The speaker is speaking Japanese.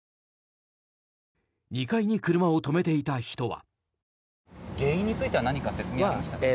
２階に車を止めていた人は。